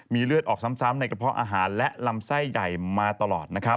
มีเลือดออกซ้ำในกระเพาะอาหารและลำไส้ใหญ่มาตลอดนะครับ